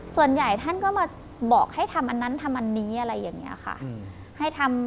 ส่วนใหญ่ท่านก็มาบอกให้ทำอันนั้นทำอันนี้อะไรอย่างนี้ค่ะ